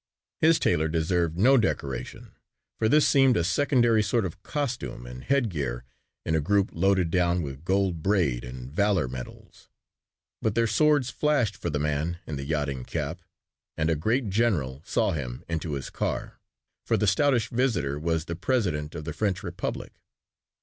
His tailor deserved no decoration for this seemed a secondary sort of costume and headgear in a group loaded down with gold braid and valor medals. But their swords flashed for the man in the yachting cap and a great general saw him into his car, for the stoutish visitor was the President of the French Republic.